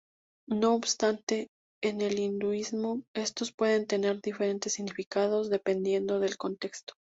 No obstante, en el hinduismo estos pueden tener diferentes significados dependiendo del contexto.